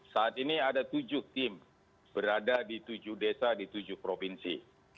saat ini ada tujuh tim berada di tujuh desa di tujuh provinsi